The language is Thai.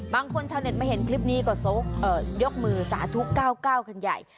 ชาวเน็ตมาเห็นคลิปนี้ก็ยกมือสาธุ๙๙กันใหญ่